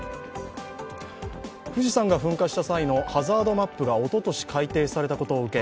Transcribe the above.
富士山が噴火した際のハザードマップがおととし改定されたことを受け